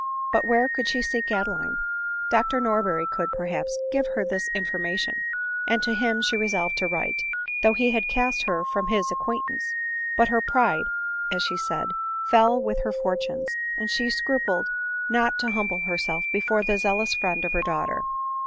But where could she seek Adeline ? Dr Norberry could, perhaps, give her this information ; and to him she resolved to write — though he had cast her from his acquaintance ;" but her pride," as she said, " fell with her fortunes ; and she scrupled not to humble herself before the zeal ous friend of her daughter.